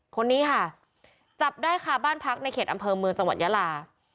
คนนี้ค่ะจับได้ค่ะบ้านพักในเขตอำเภอเมืองจังหวัดยาลา